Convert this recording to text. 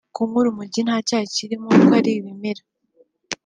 kunywa urumogi nta cyaha kibirimo kuko ari ikimera